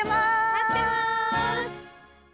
待ってます！